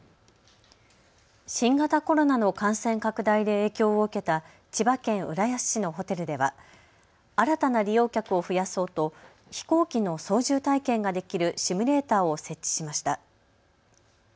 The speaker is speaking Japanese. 新型コロナの感染拡大で影響を受けた千葉県浦安市のホテルでは新たな利用客を増やそうと飛行機の操縦体験ができるシミュレーターを設置しました。